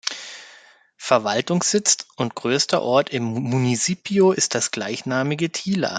Verwaltungssitz und größter Ort im Municipio ist das gleichnamige Tila.